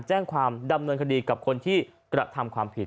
แจ้งความดำเนินคดีกับคนที่กระทำความผิด